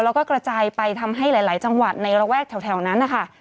แล้วก็กระจายไปทำให้หลายจังหวัดในระแวกแถวนั้นนะคะ